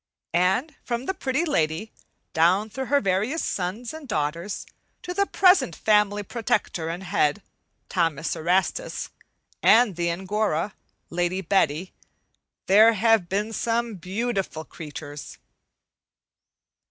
And from the Pretty Lady down through her various sons and daughters to the present family protector and head, "Thomas Erastus," and the Angora, "Lady Betty," there have been some beautiful creatures.